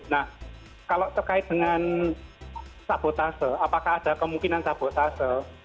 nah kalau terkait dengan sabotase apakah ada kemungkinan sabotase